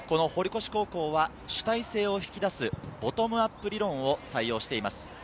堀越高校は主体性を引き出すボトムアップ理論を採用しています。